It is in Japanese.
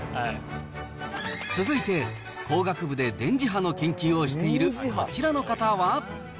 続いて、工学部で電磁波の研究をしているこちらの方は。